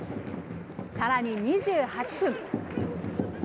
さらに２８分。